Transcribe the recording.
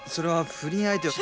不倫相手！？